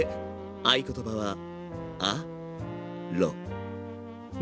合言葉は「アロゼ」。